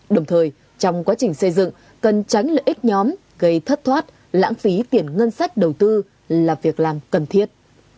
đồng thời trong quá trình xây dựng cần tránh lợi ích nhóm gây thất thoát lãng phí tiền ngân sách đầu tư là việc làm cần thiết